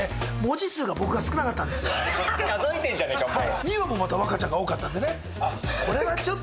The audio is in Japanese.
数えてんじゃねえかもう。